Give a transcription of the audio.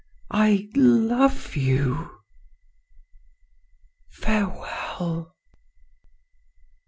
I love you.... farewell!"